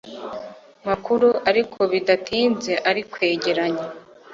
makuru ariko bidatinze arikwegeranya